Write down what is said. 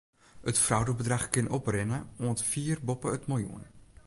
It fraudebedrach kin oprinne oant fier boppe it miljoen.